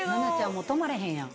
もう止まれへんやん。